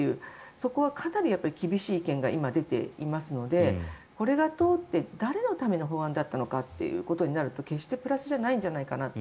そこはかなり厳しい意見が今出ていますのでこれが通って誰のための法案だったのかということになると決してプラスじゃないんじゃないかなって。